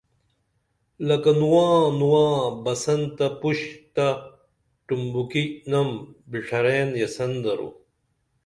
لکہ نواں نواں بسن تہ پُشتہ ٹُمبوکینم بِڇرئن یسین درو